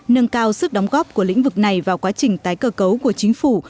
nâng cao sức đóng góp của lĩnh vực này vào quá trình tái cơ cấu của chính phủ